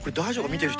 見てる人。